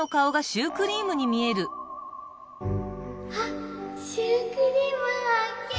あっシュークリームはっけん！